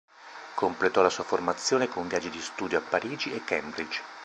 Completò la sua formazione con viaggi di studio a Parigi e Cambridge.